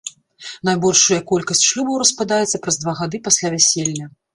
Найбольшая колькасць шлюбаў распадаецца праз два гады пасля вяселля.